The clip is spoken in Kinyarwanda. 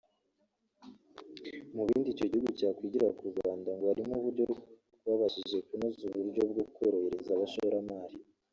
Mu bindi icyo gihugu cyakwigira ku Rwanda ngo harimo uburyo rwabashije kunoza uburyo bwo korohereza abashoramari